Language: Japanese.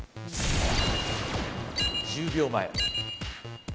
１０秒前。